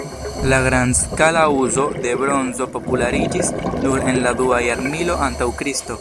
La grandskala uzo de bronzo populariĝis nur en la dua jarmilo antaŭ Kristo.